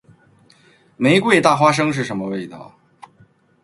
玫瑰大花生是什么味道？